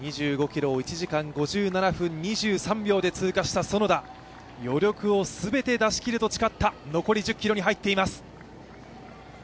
２５ｋｍを１時間５７分２３秒で通過した園田、余力を全て出し切ると誓った残り１０ｋｍに入っています。